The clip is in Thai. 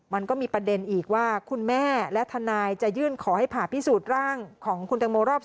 มันก็มีประเด็นอีกว่าคุณแม่และทนายจะยื่นขอให้ผ่าพิสูจน์ร่างของคุณตังโมรอบ๒